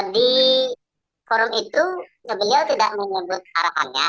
di forum itu beliau tidak menyebut arahannya